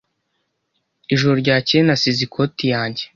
Ijoro ryakeye nasize ikoti yanjye.